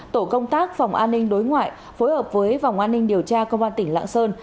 tổ công tác phòng an ninh đối ngoại phối hợp với phòng an ninh điều tra công an tỉnh lạng sơn